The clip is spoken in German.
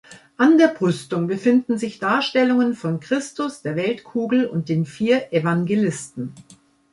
An der Brüstung befinden sich Darstellungen von Christus, der Weltkugel und den vier Evangelisten.